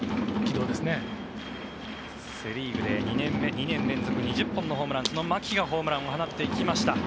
セ・リーグで２年連続２０本のホームランその牧がホームランを放っていきました。